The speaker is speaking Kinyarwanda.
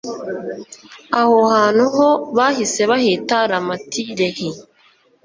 aho hantu ho bahise bahita ramati lehi